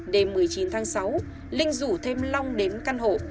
đêm một mươi chín tháng sáu linh rủ thêm long đến căn hộ